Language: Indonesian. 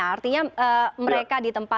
artinya mereka ditangkap